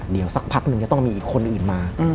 เดี๋ยวสักพักนึงจะต้องมีอีกคนอื่นมา